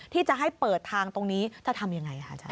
ที่จะให้เปิดทางตรงนี้จะทำยังไงค่ะอาจาร